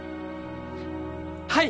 はい！